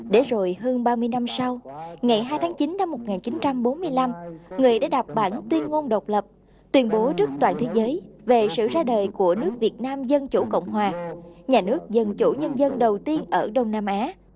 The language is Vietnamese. để rồi hơn ba mươi năm sau ngày hai tháng chín năm một nghìn chín trăm bốn mươi năm người đã đọc bản tuyên ngôn độc lập tuyên bố trước toàn thế giới về sự ra đời của nước việt nam dân chủ cộng hòa nhà nước dân chủ nhân dân đầu tiên ở đông nam á